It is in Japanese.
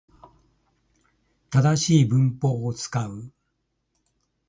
正しい文法を使う